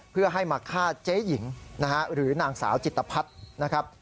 เพื่อให้มาฆ่าเจ๊หญิงหรือนางสาวจิตภัทร